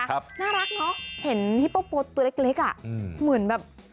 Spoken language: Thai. น่ารักเนอะเห็นฮิปโปสตัวเล็กอ่ะเหมือนแบบ